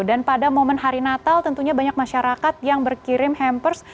pada momen hari natal tentunya banyak masyarakat yang berkirim hampers